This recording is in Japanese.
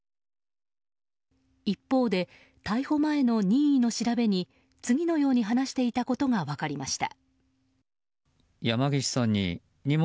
一方で、逮捕前の任意の調べに次のように話していたことが分かりました。